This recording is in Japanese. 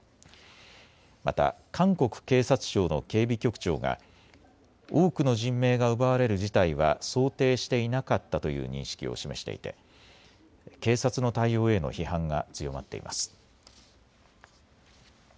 また、韓国警察庁の警備局長が多くの人命が奪われる事態は想定していなかったという認識を示していて警察の対応への批判が強まっています。